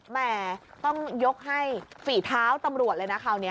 แม่ต้องยกให้ฝีเท้าตำรวจเลยนะคราวนี้